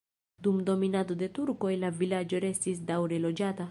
Dum dominado de turkoj la vilaĝo restis daŭre loĝata.